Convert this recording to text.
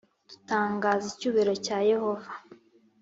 Dutangaza icyubahiro cya Yehova